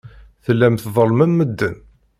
Tellam tḍellmem medden.